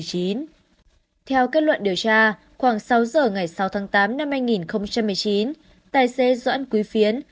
theo kết luận điều tra khoảng sáu giờ ngày sáu tháng tám năm hai nghìn một mươi chín tài xế doãn quý phiến